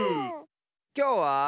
きょうは。